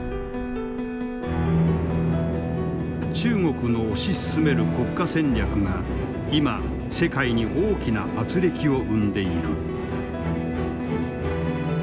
中国の推し進める国家戦略が今世界に大きな軋轢を生んでいる。